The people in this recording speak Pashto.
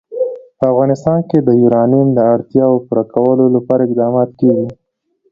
په افغانستان کې د یورانیم د اړتیاوو پوره کولو لپاره اقدامات کېږي.